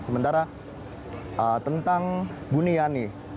sementara tentang buniani